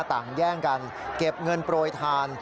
แย่งกันเก็บเงินโปรยทาน